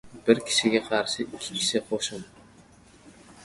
• Bir kishiga qarshi ikki kishi ― qo‘shin.